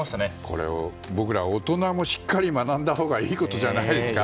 これは僕ら大人もしっかり学んだほうがいいことじゃないですか。